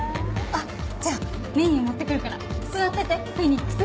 あっじゃあメニュー持ってくるから座っててフェニックス。